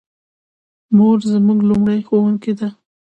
مور زموږ لومړنۍ ښوونکې ده